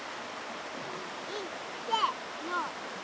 いっせのせ！